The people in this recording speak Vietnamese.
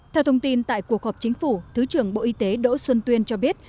theo thông tin tại cuộc họp chính phủ thứ trưởng bộ y tế đỗ xuân tuyên cho biết